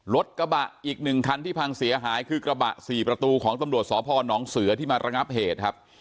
รถกระบะอีก๑คันที่พังเสียหายคือกระบะ๔ประตูของตำรวจสพนเสือที่มาระงับเหตุครับ